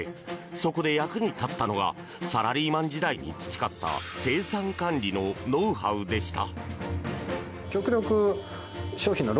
そこで役に立ったのがサラリーマン時代に培った生産管理のノウハウでした。